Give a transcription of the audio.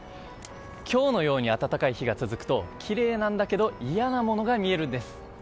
今日のように暖かい日が続くときれいなんだけどいやなものが見えるんです。